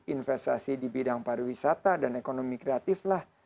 investasi di bidang pariwisata dan ekonomi kreatif lah